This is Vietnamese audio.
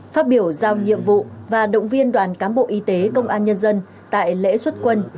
phát biểu giao nhiệm vụ và động viên đoàn cán bộ y tế công an nhân dân tại lễ xuất quân